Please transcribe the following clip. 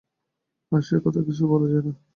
আজ সে কথা কিছুই বলা যায় না।